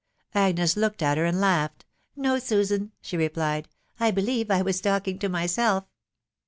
Agnes looked at her and laughed. " No, Susan," she re plied ;" I believe I was talking to myself."